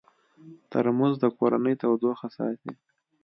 ترموز د کورنۍ تودوخه ساتي.